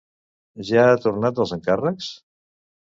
Ja ha tornat dels encàrrecs?